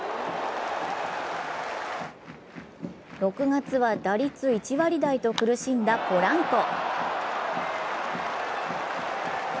６月は打率１割台と苦しんだポランコ。